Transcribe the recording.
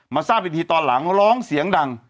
มาสร้ำทีตอนหลังร้องเสียงดัง